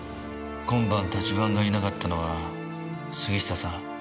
今晩立番がいなかったのは杉下さん